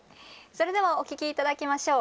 それではお聞き頂きましょう。